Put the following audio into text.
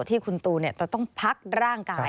ที่คุณตูจะต้องพักร่างกาย